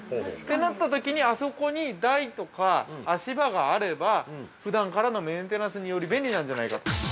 となったときに、あそこに台とか足場があればふだんからのメンテナンスにより便利なんじゃないかと。